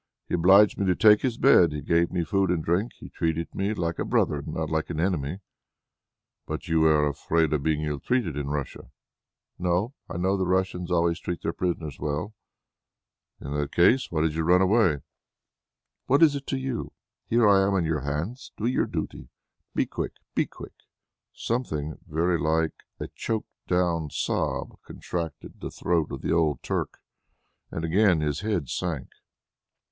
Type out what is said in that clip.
He obliged me to take his bed; he gave me food and drink; he treated me like a brother not like an enemy." "But were you afraid of being ill treated in Russia?" "No. I know that the Russians always treat their prisoners well." "In that case, why did you run away?" "What is that to you? Here I am in your hands; do your duty. But be quick! be quick!" Something very like a choked down sob contracted the throat of the old Turk, and again his head sank.